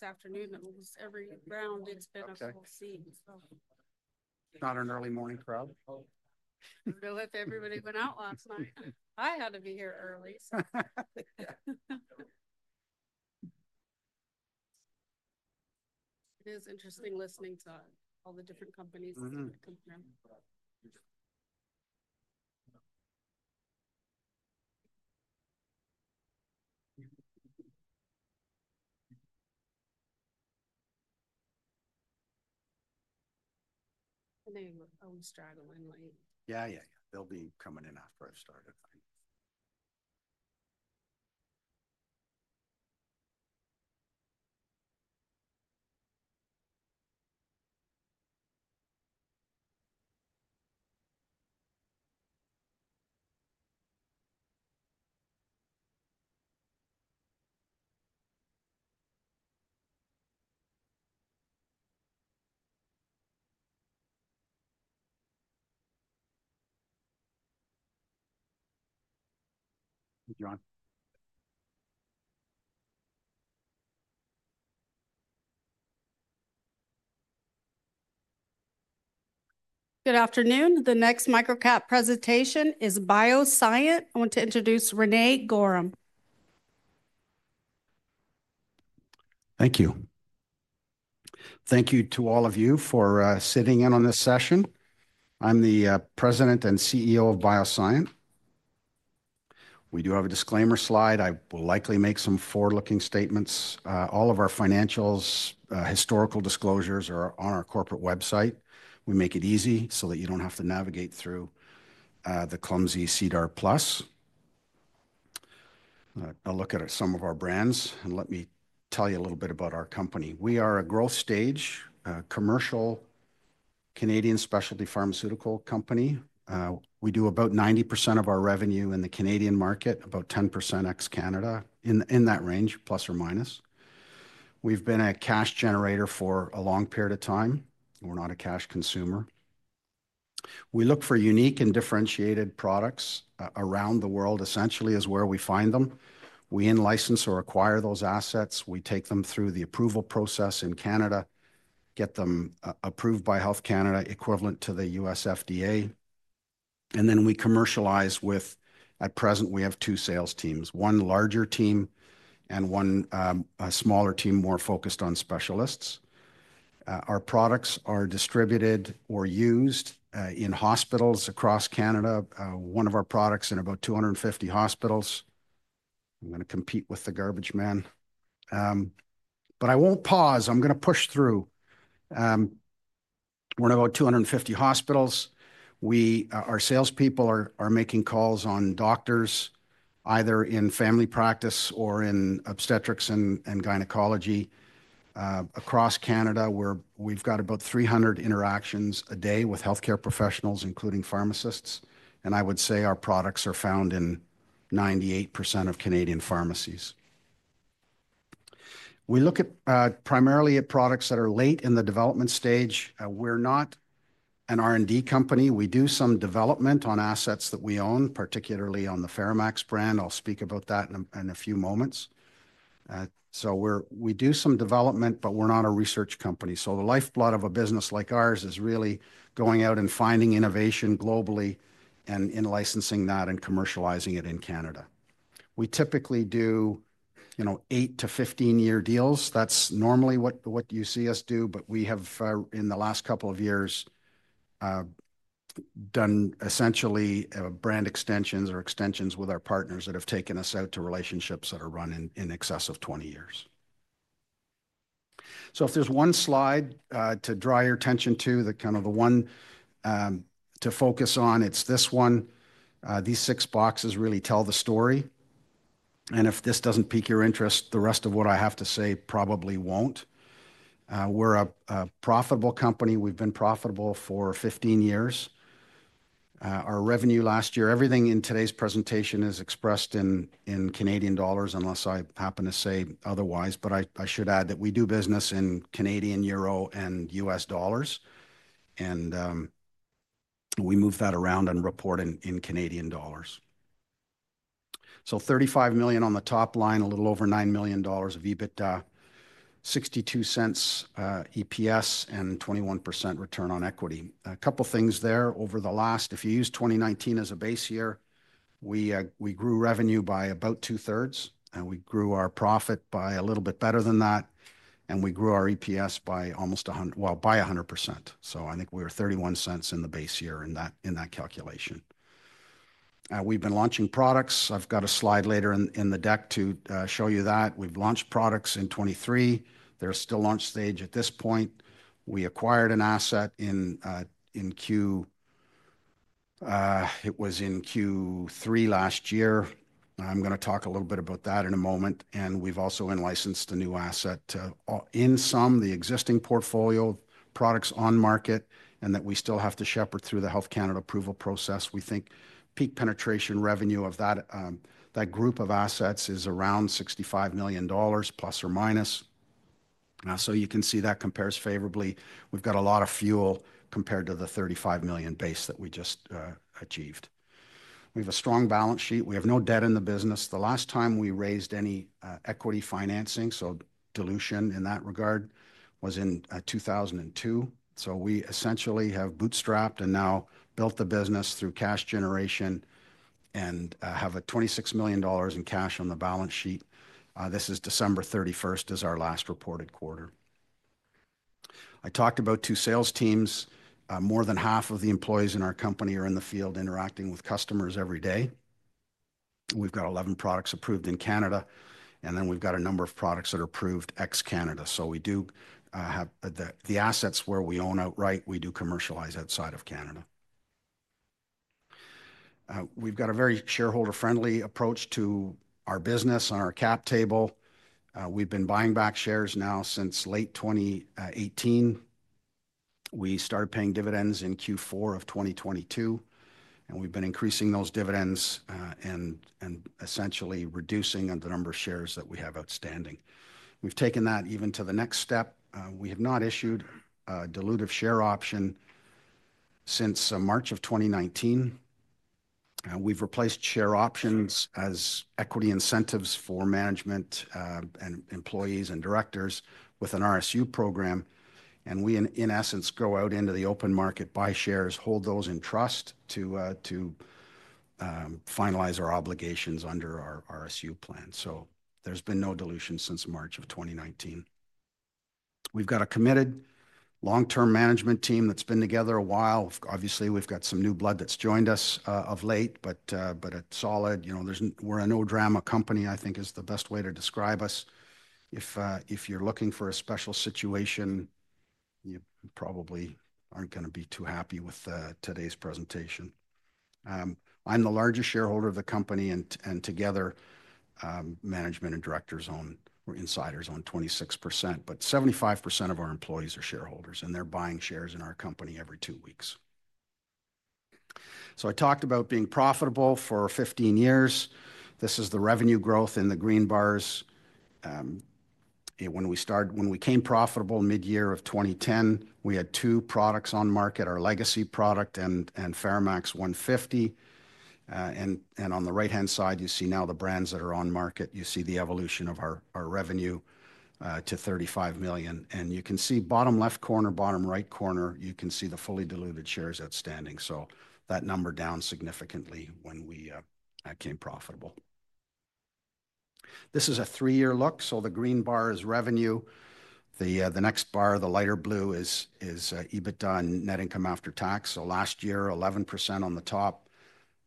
This afternoon, almost every round has been a full seat. Not an early morning crowd. I don't know if everybody went out last night. I had to be here early. It is interesting listening to all the different companies that come from. They were always straddling late. Yeah, yeah. They'll be coming in after I started. Good afternoon. The next microcap presentation is BioSyent. I want to introduce René Goehrum. Thank you. Thank you to all of you for sitting in on this session. I'm the President and CEO of BioSyent. We do have a disclaimer slide. I will likely make some forward-looking statements. All of our financials' historical disclosures are on our corporate website. We make it easy so that you don't have to navigate through the clumsy SEDAR Plus. I'll look at some of our brands, and let me tell you a little bit about our company. We are a growth stage, a commercial Canadian specialty pharmaceutical company. We do about 90% of our revenue in the Canadian market, about 10% ex-Canada, in that range, plus or minus. We've been a cash generator for a long period of time. We're not a cash consumer. We look for unique and differentiated products around the world, essentially, is where we find them. We license or acquire those assets. We take them through the approval process in Canada, get them approved by Health Canada, equivalent to the US FDA. We commercialize with, at present, we have two sales teams, one larger team and one smaller team more focused on specialists. Our products are distributed or used in hospitals across Canada. One of our products is in about 250 hospitals. I'm going to compete with the garbage man. I won't pause. I'm going to push through. We're in about 250 hospitals. Our salespeople are making calls on doctors, either in family practice or in obstetrics and gynecology. Across Canada, we've got about 300 interactions a day with healthcare professionals, including pharmacists. I would say our products are found in 98% of Canadian pharmacies. We look primarily at products that are late in the development stage. We're not an R&D company. We do some development on assets that we own, particularly on the FeraMAX brand. I'll speak about that in a few moments. We do some development, but we're not a research company. The lifeblood of a business like ours is really going out and finding innovation globally and licensing that and commercializing it in Canada. We typically do 8-15-year deals. That's normally what you see us do. We have, in the last couple of years, done essentially brand extensions or extensions with our partners that have taken us out to relationships that are run in excess of 20 years. If there's one slide to draw your attention to, the kind of the one to focus on, it's this one. These six boxes really tell the story. If this doesn't pique your interest, the rest of what I have to say probably won't. We're a profitable company. We've been profitable for 15 years. Our revenue last year, everything in today's presentation is expressed in CAD unless I happen to say otherwise. I should add that we do business in CAD, euro, and US dollars. We move that around and report in CAD. 35 million on the top line, a little over 9 million dollars of EBITDA, 0.62 EPS, and 21% return on equity. A couple of things there over the last, if you use 2019 as a base year, we grew revenue by about two-thirds, and we grew our profit by a little bit better than that. We grew our EPS by almost, well, by 100%. I think we were 0.31 in the base year in that calculation. We've been launching products. I've got a slide later in the deck to show you that. We've launched products in 2023. They're still launch stage at this point. We acquired an asset in Q3 last year. I'm going to talk a little bit about that in a moment. We've also licensed a new asset in some of the existing portfolio products on market, and that we still have to shepherd through the Health Canada approval process. We think peak penetration revenue of that group of assets is around 65 million dollars, plus or minus. You can see that compares favorably. We've got a lot of fuel compared to the 35 million base that we just achieved. We have a strong balance sheet. We have no debt in the business. The last time we raised any equity financing, so dilution in that regard, was in 2002. We essentially have bootstrapped and now built the business through cash generation and have 26 million dollars in cash on the balance sheet. December 31 is our last reported quarter. I talked about two sales teams. More than half of the employees in our company are in the field interacting with customers every day. We have 11 products approved in Canada, and then we have a number of products that are approved ex-Canada. We do have the assets where we own outright. We do commercialize outside of Canada. We have a very shareholder-friendly approach to our business on our cap table. We have been buying back shares now since late 2018. We started paying dividends in Q4 of 2022, and we have been increasing those dividends and essentially reducing the number of shares that we have outstanding. We have taken that even to the next step. We have not issued a dilutive share option since March of 2019. We've replaced share options as equity incentives for management and employees and directors with an RSU program. We, in essence, go out into the open market, buy shares, hold those in trust to finalize our obligations under our RSU plan. There's been no dilution since March of 2019. We've got a committed long-term management team that's been together a while. Obviously, we've got some new blood that's joined us of late, but it's solid. We're a no-drama company, I think, is the best way to describe us. If you're looking for a special situation, you probably aren't going to be too happy with today's presentation. I'm the largest shareholder of the company, and together, management and directors or insiders own 26%. Seventy-five percent of our employees are shareholders, and they're buying shares in our company every two weeks. I talked about being profitable for 15 years. This is the revenue growth in the green bars. When we became profitable mid-year of 2010, we had two products on market, our legacy product and FeraMAX 150. On the right-hand side, you see now the brands that are on market. You see the evolution of our revenue to 35 million. You can see bottom left corner, bottom right corner, you can see the fully diluted shares outstanding. That number down significantly when we became profitable. This is a three-year look. The green bar is revenue. The next bar, the lighter blue, is EBITDA and net income after tax. Last year, 11% on the top,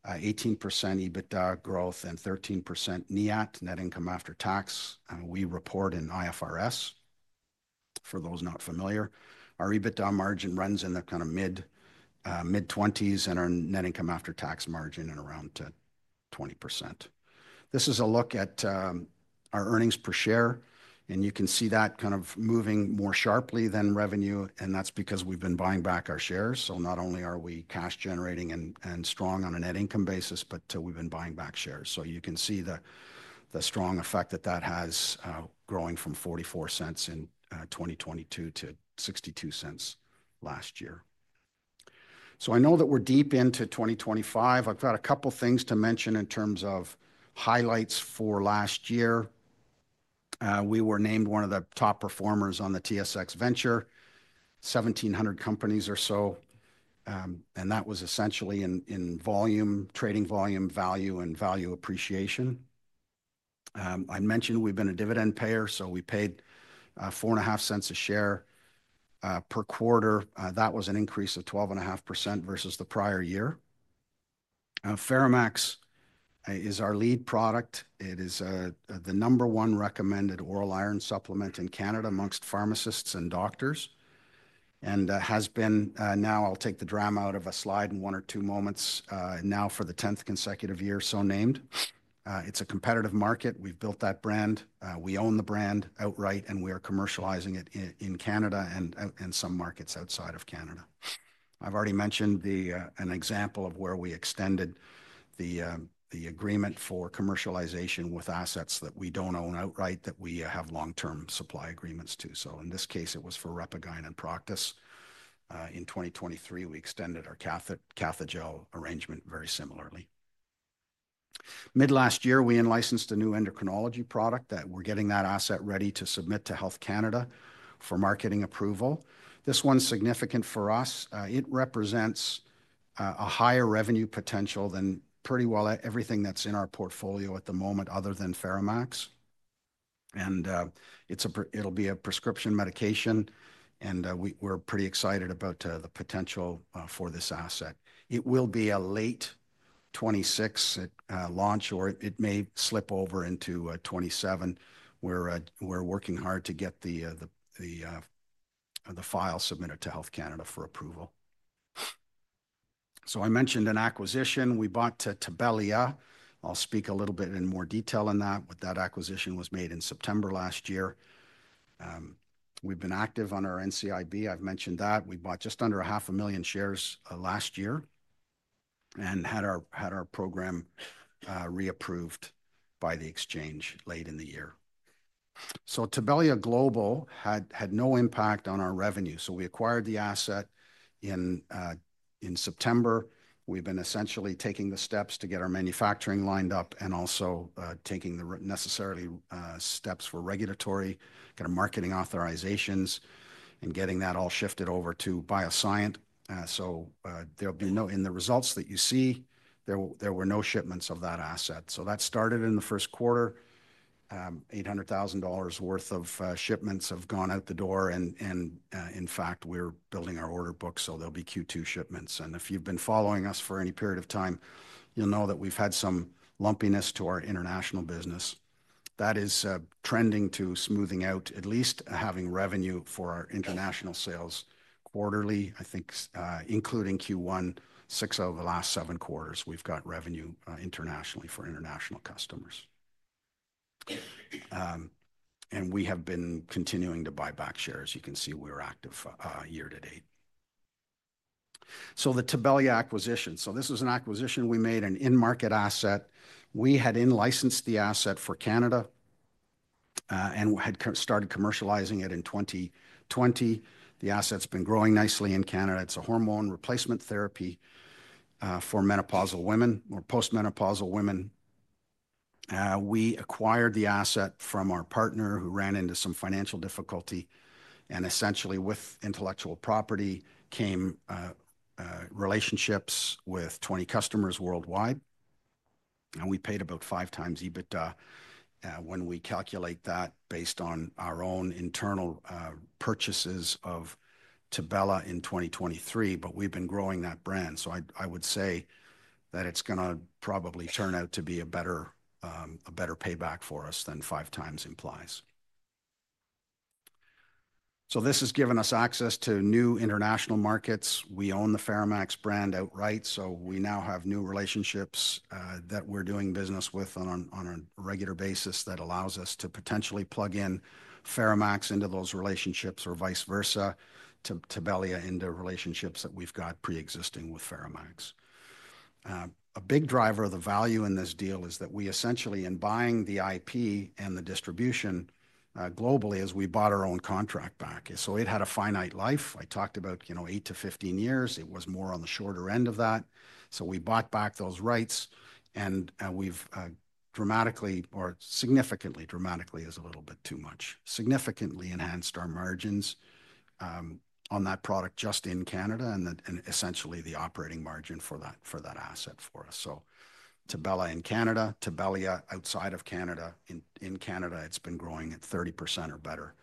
18% EBITDA growth, and 13% net income after tax. We report in IFRS, for those not familiar. Our EBITDA margin runs in the kind of mid-20s, and our net income after tax margin in around 20%. This is a look at our earnings per share. You can see that kind of moving more sharply than revenue. That is because we have been buying back our shares. Not only are we cash generating and strong on a net income basis, but we have been buying back shares. You can see the strong effect that that has, growing from 0.44 in 2022 to 0.62 last year. I know that we are deep into 2025. I have got a couple of things to mention in terms of highlights for last year. We were named one of the top performers on the TSX Venture, 1,700 companies or so. That was essentially in volume, trading volume, value, and value appreciation. I mentioned we've been a dividend payer. We paid 0.045 a share per quarter. That was an increase of 12.5% versus the prior year. FeraMAX is our lead product. It is the number one recommended oral iron supplement in Canada amongst pharmacists and doctors. It has been now, I'll take the drama out of a slide in one or two moments, now for the 10th consecutive year so named. It's a competitive market. We've built that brand. We own the brand outright, and we are commercializing it in Canada and some markets outside of Canada. I've already mentioned an example of where we extended the agreement for commercialization with assets that we don't own outright that we have long-term supply agreements to. In this case, it was for RepaGyn and Proktis. In 2023, we extended our Cathogel arrangement very similarly. Mid last year, we licensed a new endocrinology product that we're getting that asset ready to submit to Health Canada for marketing approval. This one's significant for us. It represents a higher revenue potential than pretty well everything that's in our portfolio at the moment other than FeraMAX. It'll be a prescription medication. We're pretty excited about the potential for this asset. It will be a late 2026 launch, or it may slip over into 2027. We're working hard to get the file submitted to Health Canada for approval. I mentioned an acquisition. We bought Tibella. I'll speak a little bit in more detail on that. That acquisition was made in September last year. We've been active on our NCIB. I've mentioned that. We bought just under 500,000 shares last year and had our program reapproved by the exchange late in the year. Tibelia Global had no impact on our revenue. We acquired the asset in September. We've been essentially taking the steps to get our manufacturing lined up and also taking the necessary steps for regulatory, kind of marketing authorizations and getting that all shifted over to BioSyent. There will be no, in the results that you see, there were no shipments of that asset. That started in the first quarter. $800,000 worth of shipments have gone out the door. In fact, we're building our order book. There will be Q2 shipments. If you've been following us for any period of time, you'll know that we've had some lumpiness to our international business. That is trending to smoothing out, at least having revenue for our international sales quarterly, I think, including Q1, six out of the last seven quarters, we've got revenue internationally for international customers. We have been continuing to buy back shares. You can see we're active year to date. The Tibella acquisition. This was an acquisition we made, an in-market asset. We had licensed the asset for Canada and had started commercializing it in 2020. The asset's been growing nicely in Canada. It's a hormone replacement therapy for menopausal women or post-menopausal women. We acquired the asset from our partner who ran into some financial difficulty. Essentially, with intellectual property came relationships with 20 customers worldwide. We paid about five times EBITDA when we calculate that based on our own internal purchases of Tibella in 2023. We have been growing that brand. I would say that it's going to probably turn out to be a better payback for us than five times implies. This has given us access to new international markets. We own the FeraMAX brand outright. We now have new relationships that we're doing business with on a regular basis that allows us to potentially plug in FeraMAX into those relationships or vice versa to Tibella into relationships that we've got pre-existing with FeraMAX. A big driver of the value in this deal is that we essentially in buying the IP and the distribution globally as we bought our own contract back. It had a finite life. I talked about 8 to 15 years. It was more on the shorter end of that. We bought back those rights. We have significantly, dramatically is a little bit too much, significantly enhanced our margins on that product just in Canada and essentially the operating margin for that asset for us. Tibella in Canada, Tibella outside of Canada. In Canada, it's been growing at 30% or better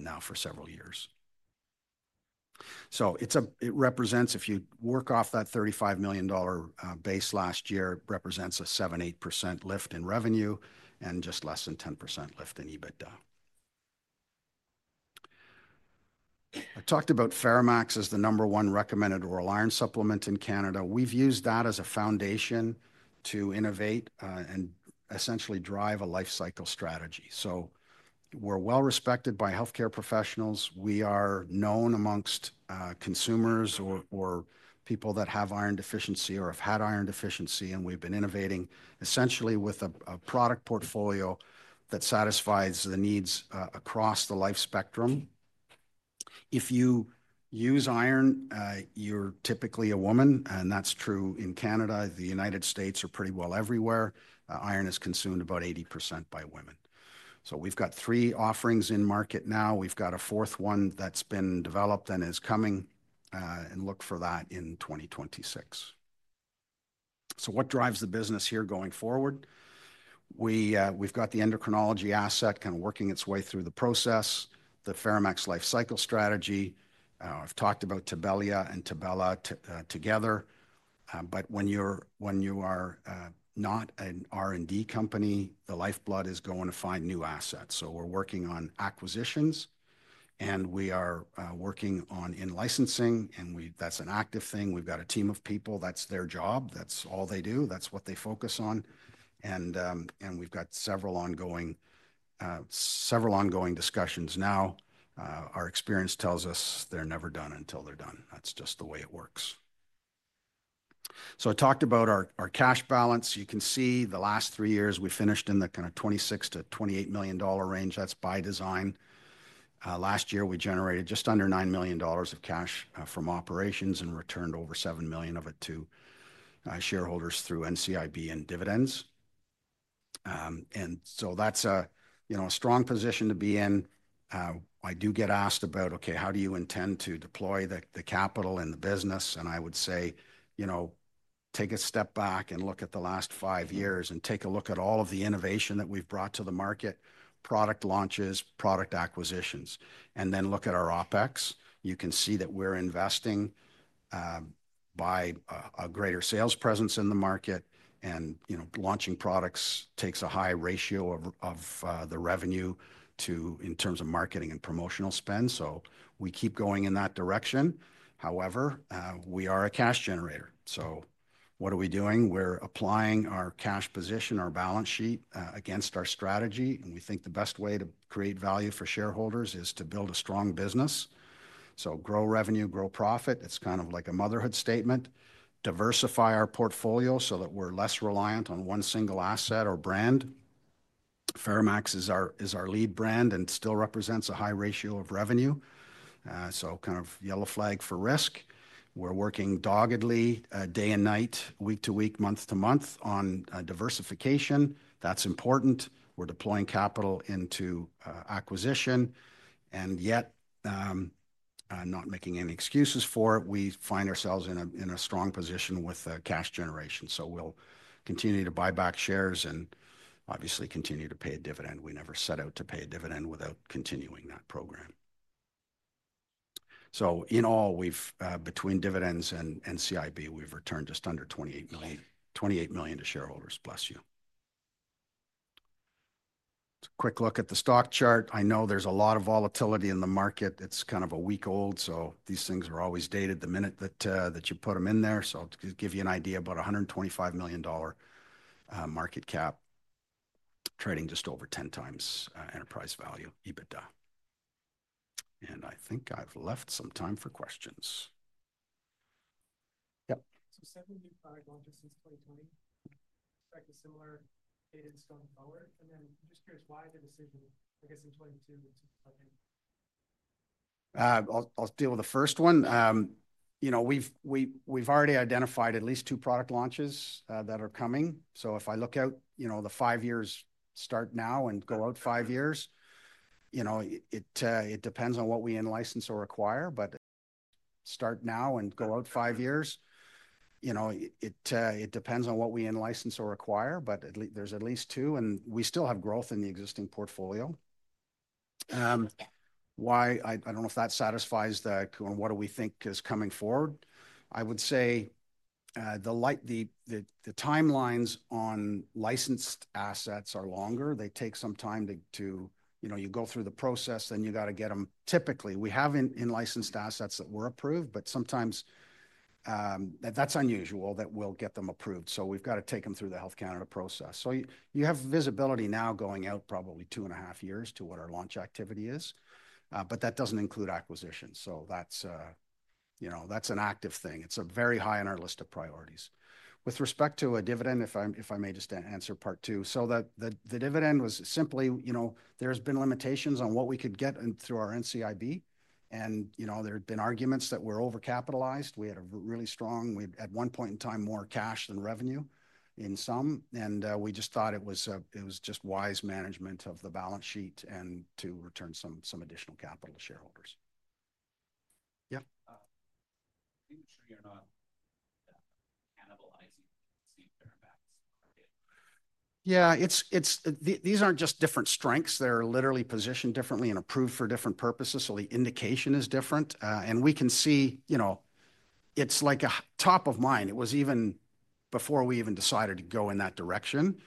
now for several years. It represents, if you work off that 35 million dollar base last year, a 7-8% lift in revenue and just less than 10% lift in EBITDA. I talked about FeraMAX as the number one recommended oral iron supplement in Canada. We've used that as a foundation to innovate and essentially drive a life cycle strategy. We are well respected by healthcare professionals. We are known amongst consumers or people that have iron deficiency or have had iron deficiency. We've been innovating essentially with a product portfolio that satisfies the needs across the life spectrum. If you use iron, you're typically a woman. That is true in Canada. The United States or pretty well everywhere, iron is consumed about 80% by women. We've got three offerings in market now. We've got a fourth one that's been developed and is coming and look for that in 2026. What drives the business here going forward? We've got the endocrinology asset kind of working its way through the process, the FeraMAX life cycle strategy. I've talked about Tibella and Tibella together. When you are not an R&D company, the lifeblood is going to find new assets. We're working on acquisitions. We are working on in-licensing. That's an active thing. We've got a team of people. That's their job. That's all they do. That's what they focus on. We've got several ongoing discussions now. Our experience tells us they're never done until they're done. That's just the way it works. I talked about our cash balance. You can see the last three years we finished in the kind of 26 million-28 million dollar range. That's by design. Last year, we generated just under 9 million dollars of cash from operations and returned over 7 million of it to shareholders through NCIB and dividends. That's a strong position to be in. I do get asked about, okay, how do you intend to deploy the capital and the business? I would say, you know, take a step back and look at the last five years and take a look at all of the innovation that we've brought to the market, product launches, product acquisitions. Then look at our OPEX. You can see that we're investing by a greater sales presence in the market. Launching products takes a high ratio of the revenue in terms of marketing and promotional spend. We keep going in that direction. However, we are a cash generator. What are we doing? We're applying our cash position, our balance sheet against our strategy. We think the best way to create value for shareholders is to build a strong business. Grow revenue, grow profit. It's kind of like a motherhood statement. Diversify our portfolio so that we're less reliant on one single asset or brand. FeraMAX is our lead brand and still represents a high ratio of revenue. Kind of yellow flag for risk. We're working doggedly day and night, week to week, month to month on diversification. That's important. We're deploying capital into acquisition. Yet, not making any excuses for it, we find ourselves in a strong position with cash generation. We'll continue to buy back shares and obviously continue to pay a dividend. We never set out to pay a dividend without continuing that program. In all, between dividends and NCIB, we've returned just under 28 million to shareholders, bless you. It's a quick look at the stock chart. I know there's a lot of volatility in the market. It's kind of a week old. These things are always dated the minute that you put them in there. To give you an idea, about 125 million dollar market cap, trading just over 10 times enterprise value, EBITDA. I think I've left some time for questions. Yep. Seventy-five launches since 2020. Expect a similar cadence going forward? I'm just curious why the decision, I guess, in 2022 to 2022? I'll deal with the first one. You know, we've already identified at least two product launches that are coming. If I look out, you know, the five years start now and go out five years, you know, it depends on what we in-license or acquire. Start now and go out five years, you know, it depends on what we in-license or acquire. There's at least two. We still have growth in the existing portfolio. Why? I don't know if that satisfies the what do we think is coming forward. I would say the timelines on licensed assets are longer. They take some time to, you know, you go through the process, then you got to get them. Typically, we have in-licensed assets that were approved, but sometimes that's unusual that we'll get them approved. We have to take them through the Health Canada process. You have visibility now going out probably two and a half years to what our launch activity is. That does not include acquisitions. That is, you know, that is an active thing. It is very high on our list of priorities. With respect to a dividend, if I may just answer part two. The dividend was simply, you know, there have been limitations on what we could get through our NCIB. You know, there had been arguments that we are over-capitalized. We had a really strong, at one point in time, more cash than revenue in some. We just thought it was just wise management of the balance sheet and to return some additional capital to shareholders. Yep. Are you sure you are not cannibalizing FeraMAX? These are not just different strengths. They are literally positioned differently and approved for different purposes. The indication is different. We can see, you know, it is like a top of mind. It was even before we even decided to go in that direction.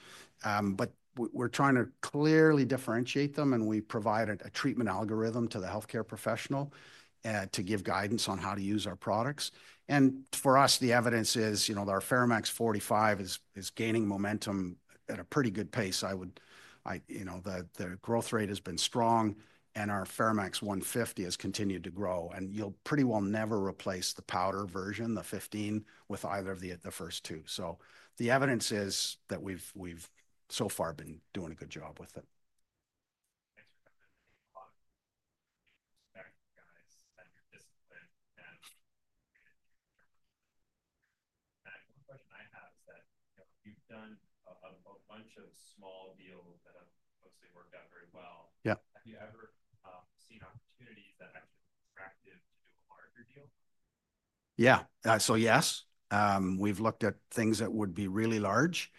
We are trying to clearly differentiate them. We provide a treatment algorithm to the healthcare professional to give guidance on how to use our products. For us, the evidence is, you know, our FeraMAX 45 is gaining momentum at a pretty good pace. I would, you know, the growth rate has been strong. Our FeraMAX 150 has continued to grow. You will pretty well never replace the powder version, the 15, with either of the first two. The evidence is that we have so far been doing a good job with it. Thanks for coming to the pod. Respect you guys and your discipline. One question I have is that you have done a bunch of small deals that have mostly worked out very well. Have you ever seen opportunities that have been attractive to do a larger deal? Yeah. Yes. We've looked at things that would be really large.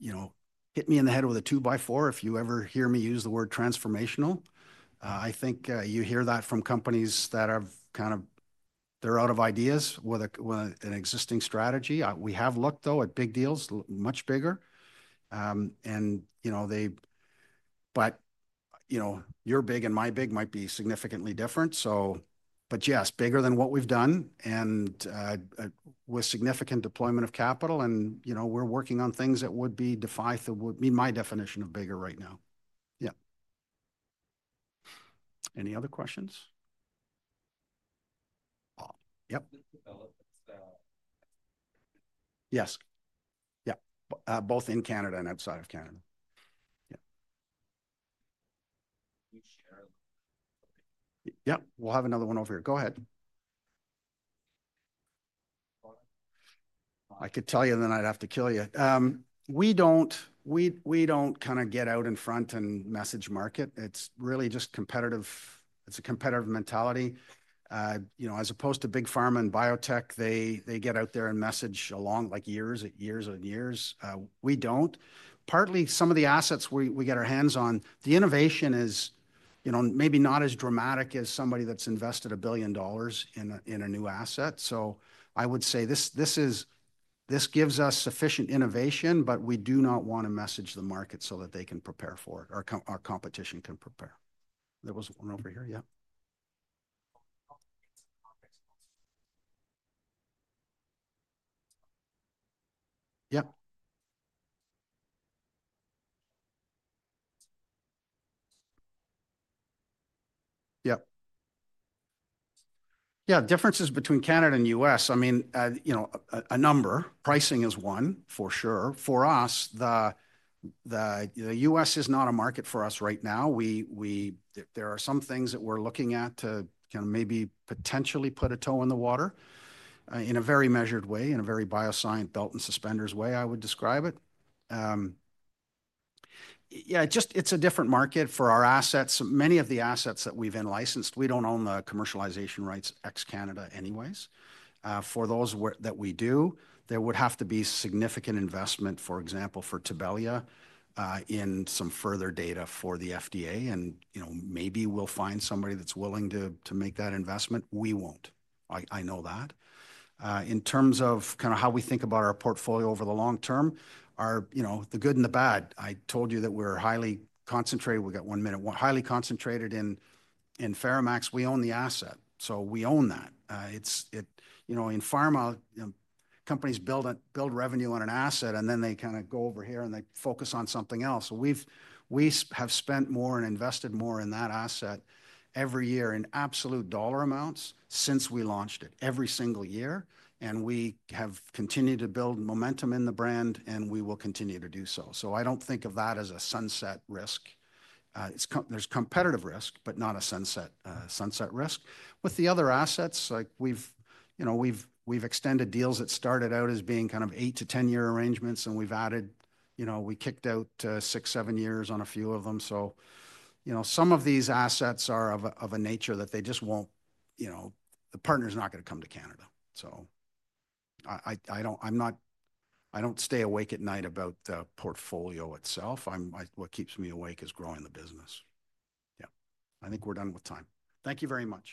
You know, hit me in the head with a two by four if you ever hear me use the word transformational. I think you hear that from companies that have kind of, they're out of ideas with an existing strategy. We have looked though at big deals, much bigger. You know, your big and my big might be significantly different. Yes, bigger than what we've done and with significant deployment of capital. You know, we're working on things that would be defined to meet my definition of bigger right now. Yeah. Any other questions? Yep. Yes. Yep. Both in Canada and outside of Canada. Yeah. Yep. We'll have another one over here. Go ahead. I could tell you then I'd have to kill you. We don't kind of get out in front and message market. It's really just competitive. It's a competitive mentality. You know, as opposed to big pharma and biotech, they get out there and message along like years and years. We don't. Partly some of the assets we get our hands on, the innovation is, you know, maybe not as dramatic as somebody that's invested a billion dollars in a new asset. I would say this gives us sufficient innovation, but we do not want to message the market so that they can prepare for it or our competition can prepare. There was one over here. Yep. Yep. Yep. Yeah. Differences between Canada and US. I mean, you know, a number. Pricing is one for sure. For us, the US is not a market for us right now. There are some things that we're looking at to kind of maybe potentially put a toe in the water in a very measured way, in a very BioSyent belt and suspenders way, I would describe it. Yeah, just it's a different market for our assets. Many of the assets that we've in-licensed, we don't own the commercialization rights ex-Canada anyways. For those that we do, there would have to be significant investment, for example, for Tibella in some further data for the FDA. You know, maybe we'll find somebody that's willing to make that investment. We won't. I know that. In terms of kind of how we think about our portfolio over the long term, our, you know, the good and the bad. I told you that we're highly concentrated. We got one minute. Highly concentrated in FeraMAX, we own the asset. So we own that. It's, you know, in pharma, companies build revenue on an asset and then they kind of go over here and they focus on something else. We have spent more and invested more in that asset every year in absolute dollar amounts since we launched it every single year. We have continued to build momentum in the brand and we will continue to do so. I don't think of that as a sunset risk. There's competitive risk, but not a sunset risk. With the other assets, like we've, you know, we've extended deals that started out as being kind of eight to ten year arrangements and we've added, you know, we kicked out six-seven years on a few of them. Some of these assets are of a nature that they just won't, you know, the partner's not going to come to Canada. do not, I am not, I do not stay awake at night about the portfolio itself. What keeps me awake is growing the business. Yeah. I think we are done with time. Thank you very much.